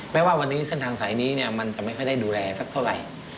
ว่าวันนี้เส้นทางสายนี้มันจะไม่ค่อยได้ดูแลสักเท่าไหร่